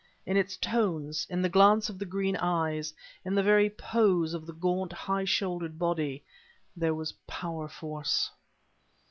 In its tones, in the glance of the green eyes, in the very pose of the gaunt, high shouldered body, there was power force.